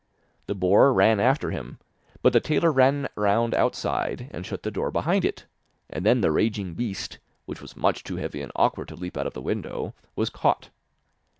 The boar ran after him, but the tailor ran round outside and shut the door behind it, and then the raging beast, which was much too heavy and awkward to leap out of the window, was caught.